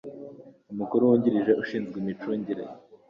umukuru wungirije ushinzwe imicungire